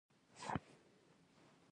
بټي کوټ فارمونه لري؟